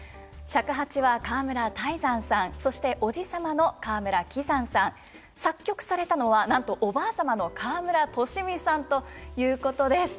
尺八は川村泰山さんそして叔父様の川村葵山さん作曲されたのはなんとおばあ様の川村利美さんということです。